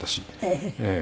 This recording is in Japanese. ええ。